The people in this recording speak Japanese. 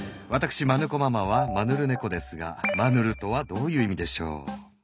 わたくしマヌ子ママはマヌルネコですが「マヌル」とはどういう意味でしょう？